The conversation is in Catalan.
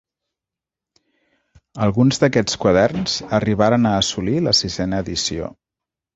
Alguns d'aquests quaderns, arribaren a assolir la sisena edició.